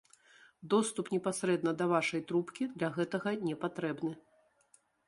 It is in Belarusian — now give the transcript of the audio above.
Доступ непасрэдна да вашай трубкі для гэтага не патрэбны.